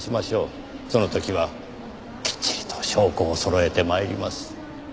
その時はきっちりと証拠を揃えて参ります。